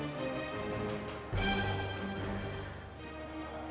n metabolic disorderununnya sulit yang kumpul belakang